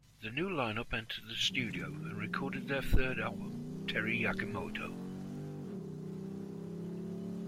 The new lineup entered the studio and recorded their third album "Teri Yakimoto".